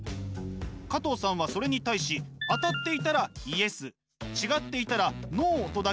加藤さんはそれに対し当たっていたらＹＥＳ違っていたらＮＯとだけ答えます。